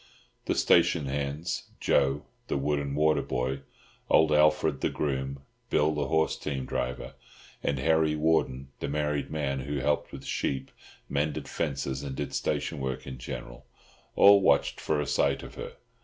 The station hands—Joe, the wood and water boy, old Alfred the groom, Bill the horse team driver, and Harry Warden the married man, who helped with sheep, mended fences, and did station work in general—all watched for a sight of her.